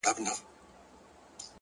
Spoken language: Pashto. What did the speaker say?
پرمختګ له دوامداره هڅې زېږي,